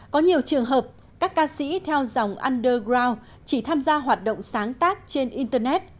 có nhiều trường hợp các ca sĩ theo dòng underground chỉ tham gia hoạt động sáng tác trên internet